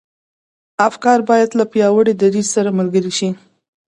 افکار بايد له پياوړي دريځ سره ملګري شي.